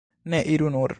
Ne, iru nur!